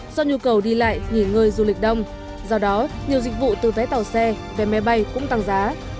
do nhu cầu đi lại nghỉ ngơi du lịch đông do đó nhiều dịch vụ từ vé tàu xe về máy bay cũng tăng giá